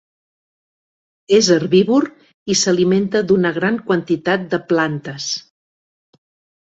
És herbívor i s'alimenta d'una gran quantitat de plantes.